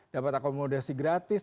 dapat akomodasi gratis